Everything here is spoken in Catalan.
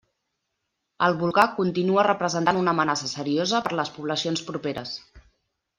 El volcà continua representant una amenaça seriosa per a les poblacions properes.